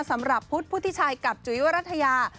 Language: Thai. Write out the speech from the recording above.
สำหรับพุทธพุทธิชัยกับจุ๋ยวรัฐยา